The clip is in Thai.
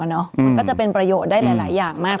มันก็จะเป็นประโยชน์ได้หลายอย่างมาก